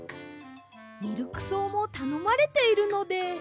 ミルクそうもたのまれているので。